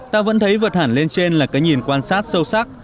ta vẫn thấy vật hẳn lên trên là cái nhìn quan sát sâu sắc